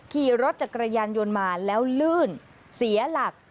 ขี่รถจักรยานยนต์มาแล้วลื่นเสียหลัก